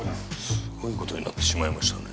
すごいことになってしまいましたね。